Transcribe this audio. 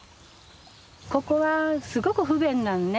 ここはすごく不便なのね。